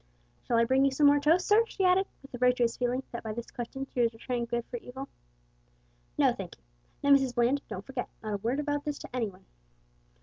"Shall I bring you some more toast, sir?" she added, with the virtuous feeling that by this question she was returning good for evil. "No, thank you. Now, Mrs Bland, don't forget. Not a word about this to any one."